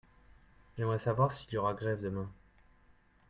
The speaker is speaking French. J'aimerais savoir s'il y aura grève demain.